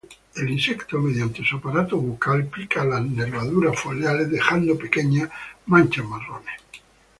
El insecto, mediante su aparato bucal pica las nervaduras foliares dejando pequeñas manchas marrones.